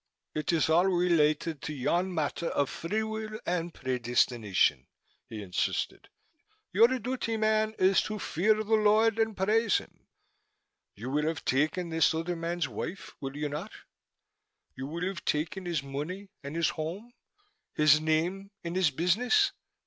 "It is all related to yon matter of free will and predestination," he insisted. "Your duty, man, is to fear the Lord and praise Him. You will have taken this other man's wife, will you not? You will have taken his money and his home, his name and his business.